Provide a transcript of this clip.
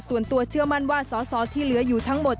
ส่วนตัวเชื่อมั่นว่าสอสอที่เหลืออยู่ทั้งหมด